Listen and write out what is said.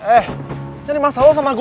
eh kenapa nih masalah sama gue